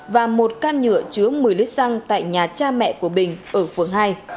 và một can nhựa chứa một mươi lít xăng tại nhà cha mẹ của bình ở phường hai